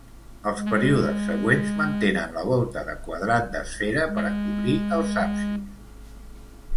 Els períodes següents mantenen la volta de quadrant d'esfera per a cobrir els absis.